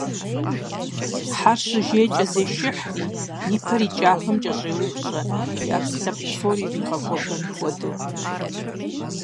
Хьэр щыжейкӀэ зешыхьри, и пэр и кӀапэм кӀэщӀеупщӀэ, и Ӏэпкълъэпкъ псор иригъэхуэбэн хуэдэу.